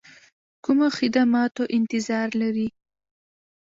کومو خدماتو انتظار لري.